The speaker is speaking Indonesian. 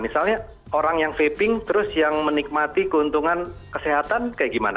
misalnya orang yang vaping terus yang menikmati keuntungan kesehatan kayak gimana